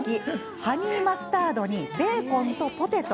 ハニーマスタードにベーコンとポテト。